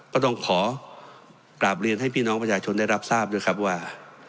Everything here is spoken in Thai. ก็ต้องขอกราบเรียนให้พี่น้องประชาชนได้รับทราบด้วยครับว่า